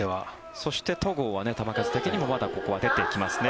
そして、戸郷は球数的にもまだここは出てきますね。